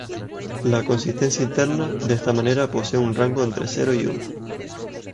La consistencia interna, de esta manera, posee un rango entre cero y uno.